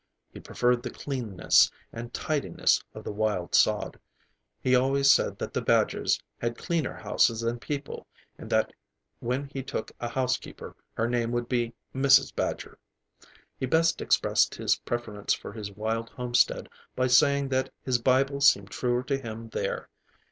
He preferred the cleanness and tidiness of the wild sod. He always said that the badgers had cleaner houses than people, and that when he took a housekeeper her name would be Mrs. Badger. He best expressed his preference for his wild homestead by saying that his Bible seemed truer to him there.